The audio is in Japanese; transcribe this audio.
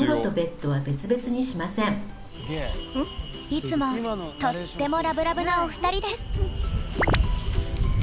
いつもとってもラブラブなお二人です。